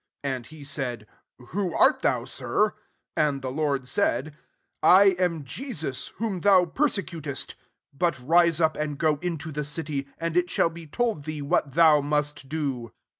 5 And be said, "Who art thou, Sir?" Avk [the Lord] said, " I am Jeso whom thou persecutest. 6 Bui rise up, and go into the city; and it shall be told thee what thou must do."